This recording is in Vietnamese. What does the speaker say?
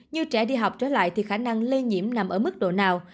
như trẻ đi học trở lại thì khả năng lây nhiễm nằm ở mức độ nào